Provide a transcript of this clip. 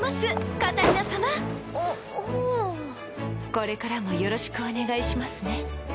これからもよろしくお願いしますね。